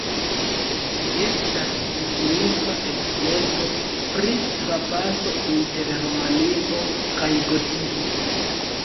Ĝi estas signifa ekzemplo pri trapaso inter romaniko kaj gotiko.